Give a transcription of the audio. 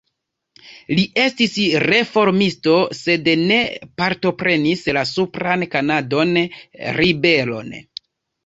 Li estis reformisto sed ne partoprenis la supran kanadan ribelon.